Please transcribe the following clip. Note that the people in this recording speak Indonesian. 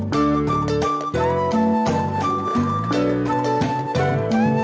locengnya lokasi baru ya